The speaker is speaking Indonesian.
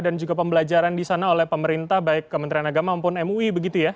juga pembelajaran di sana oleh pemerintah baik kementerian agama maupun mui begitu ya